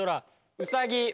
うさぎ。